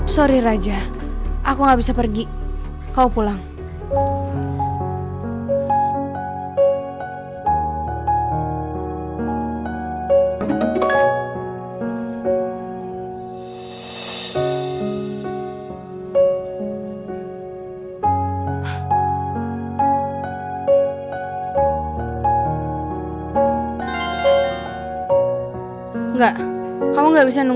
jadi adalah hal buruk yang kita bahkan di practise untuk kamu juga bisa peluk